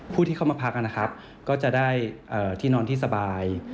ผู้ที่เข้ามาพักนะครับก็จะได้ที่นอนที่สบาย